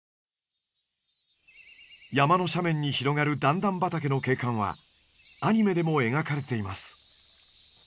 山の斜面に広がる段々畑の景観はアニメでも描かれています。